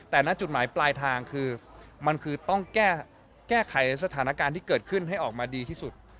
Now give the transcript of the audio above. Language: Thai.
แต่ณจุดหมายปลายทางคือมันคือต้องแก้ไขสถานการณ์ที่เกิดขึ้นให้ออกมาดีที่สุด